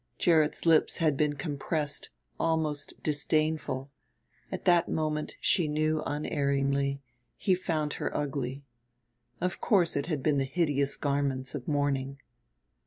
Gerrit's lips had been compressed, almost disdainful; at that moment, she knew unerringly, he found her ugly. Of course it had been the hideous garments of mourning.